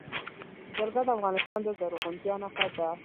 جلګه د افغانستان د زرغونتیا نښه ده.